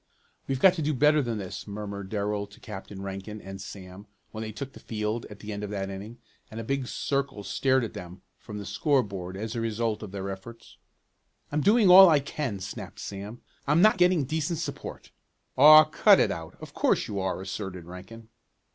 "We've got to do better than this," murmured Darrell to Captain Rankin and Sam when they took the field at the end of that inning, and a big circle stared at them from the score board as the result of their efforts. "I'm doing all I can!" snapped Sam. "I'm not getting decent support." "Aw, cut it out! Of course you are!" asserted Rankin.